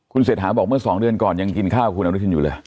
เศรษฐาบอกเมื่อ๒เดือนก่อนยังกินข้าวคุณอนุทินอยู่เลย